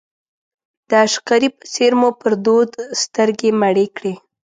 د عشقري په څېر مو پر دود سترګې مړې کړې.